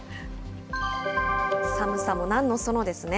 寒さもなんのそのですね。